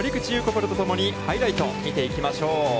プロとともにハイライトを見ていきましょう。